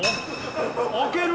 開ける？